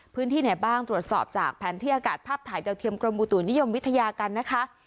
พื้นที่ไหนบ้างตรวจสอบจากแผนที่อากาศภาพถ่ายดาวเทียมกรมอุตุนิยมวิทยากันนะคะ